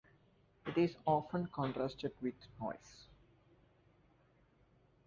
It is often contrasted with noise.